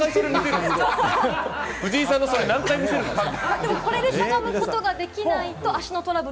藤井さんのそれ、何回見せるんですか。